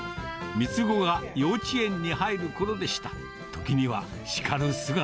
三つ子が幼稚園に入るころでした。